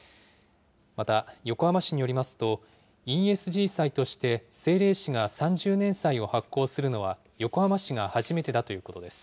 また横浜市によりますと、ＥＳＧ債として政令市が３０年債を発行するのは、横浜市が初めてだということです。